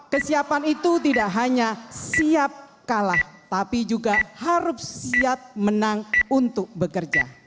kesiapan itu tidak hanya siap kalah tapi juga harus siap menang untuk bekerja